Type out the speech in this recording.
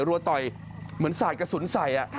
รัวต่อยเหมือนสาดกระสุนใส่